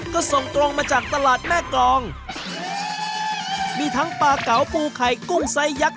ก็ส่งตรงมาจากตลาดแม่กรองมีทั้งปลาเก๋าปูไข่กุ้งไซสยักษ